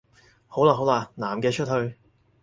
好喇好喇，男嘅出去